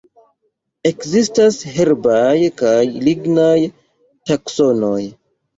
Ekzistas herbaj kaj lignaj taksonoj.